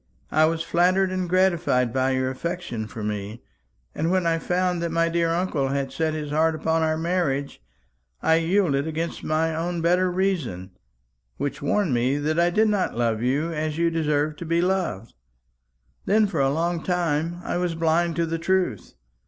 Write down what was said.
I was flattered and gratified by your affection for me; and when I found that my dear uncle had set his heart upon our marriage, I yielded against my own better reason, which warned me that I did not love you as you deserved to be loved. Then for a long time I was blind to the truth.